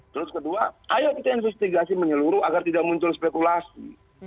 terus kedua ayo kita investigasi menyeluruh agar tidak muncul spekulasi